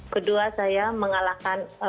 kedua saya mengalahkan